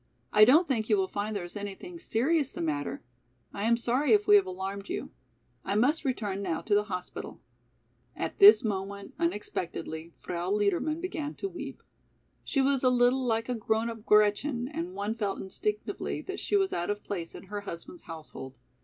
I don't think you will find there is anything serious the matter; I am sorry if we have alarmed you. I must return now to the hospital." At this moment unexpectedly Frau Liedermann began to weep. She was a little like a grown up Gretchen, and one felt instinctively that she was out of place in her husband's household.